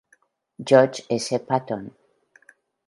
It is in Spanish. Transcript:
George S. Patton.